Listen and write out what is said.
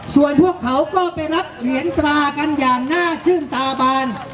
ส่วนพวกเขาก็ไปรับเหรียญตรากันอย่างน่าชื่นตาบาน